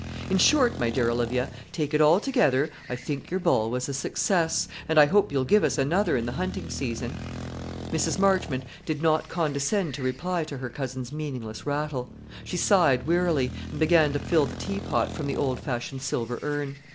In short, my dear Olivia, take it altogether, I think your ball was a success, and I hope you'll give us another in the hunting season." Mrs. Marchmont did not condescend to reply to her cousin's meaningless rattle. She sighed wearily, and began to fill the tea pot from the old fashioned silver urn.